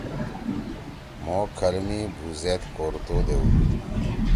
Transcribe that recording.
مھو کھل می بُھو زید کورتو دیؤدُو۔